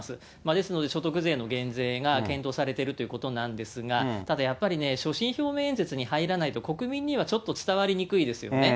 ですので、所得税の減税が検討されているということなんですが、ただやっぱりね、所信表明演説に入らないと、国民にはちょっと伝わりにくいですよね。